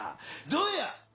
どうや。